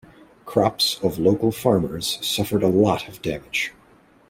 Crops of local farmers suffered a lot of damage.